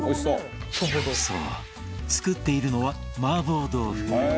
そう、作っているのは麻婆豆腐。